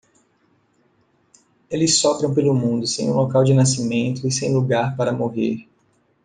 Eles sopram pelo mundo sem um local de nascimento e sem lugar para morrer.